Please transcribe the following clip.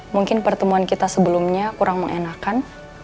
mungkin pertemuan kita sebelumnya kurang mengenakan